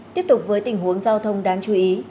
tiếp tục với tình huống giao thông đáng chú ý